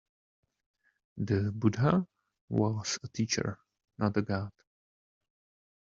The Buddha was a teacher, not a god.